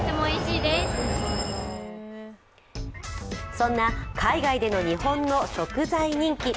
そんな海外での日本の食材人気。